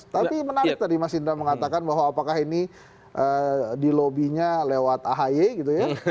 tapi menarik tadi mas indra mengatakan bahwa apakah ini dilobinya lewat ahy gitu ya